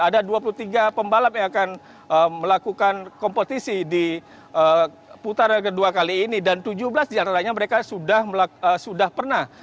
ada dua puluh tiga pembalap yang akan melakukan kompetisi di putaran kedua kali ini dan tujuh belas diantaranya mereka sudah pernah